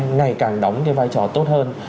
ngày càng đóng cái vai trò tốt hơn